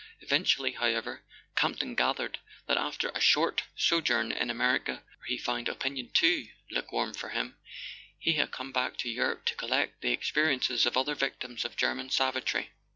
Eventually, however, Campton gathered that after a short sojourn in Amer¬ ica, where he found opinion too lukewarm for him, he had come back to Europe to collect the experiences of other victims of German savagery.